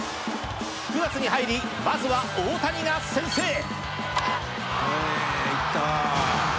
９月に入りまずは大谷が先制。